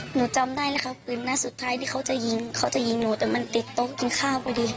หนูจำได้เลยค่ะปืนหน้าสุดท้ายที่เขาจะยิงหนูแต่มันติดโต๊ะกินข้าวไปดี